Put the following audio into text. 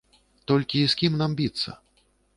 Толькі з кім нам біцца?